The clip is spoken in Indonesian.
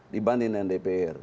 dibanding yang dpr